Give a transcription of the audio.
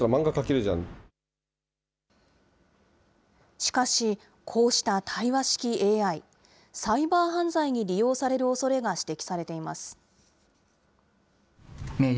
しかし、こうした対話式ＡＩ、サイバー犯罪に利用されるおそれが指摘されています。